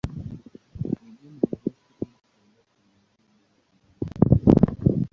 Miguu ni mirefu ili kutembea kwenye maji bila kuzama kabisa.